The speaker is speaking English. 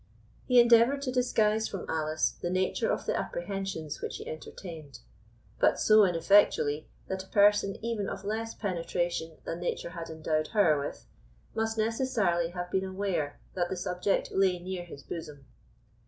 He endeavoured to disguise from Alice the nature of the apprehensions which he entertained; but so ineffectually, that a person even of less penetration than nature had endowed her with must necessarily have been aware that the subject lay near his bosom.